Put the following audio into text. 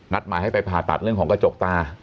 หมายให้ไปผ่าตัดเรื่องของกระจกตา